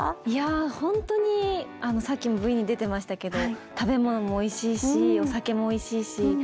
いや本当にさっきもＶに出てましたけど食べ物もおいしいしお酒もおいしいし